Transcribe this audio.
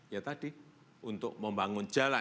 ya tadi untuk membangun jalan